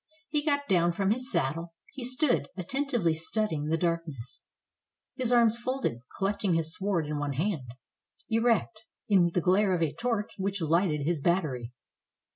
He got down from his saddle. He stood atten tively studying the darkness, his arms folded, clutching his sword in one hand, erect, in the glare of a torch which lighted his battery.